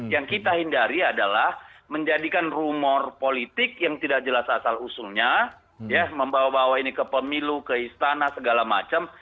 yang kita hindari adalah menjadikan rumor politik yang tidak jelas asal usulnya ya membawa bawa ini ke pemilu ke istana segala macam